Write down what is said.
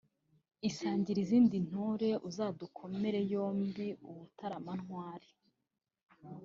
isangire izindi ntore uzadukomere yombi ibutaramantwari